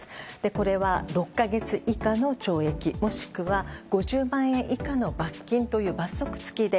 これは６か月以下の懲役もしくは５０万円以下の罰金という罰則付きで。